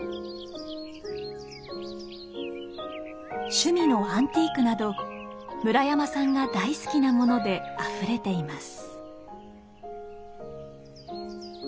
趣味のアンティークなど村山さんが大好きなものであふれています。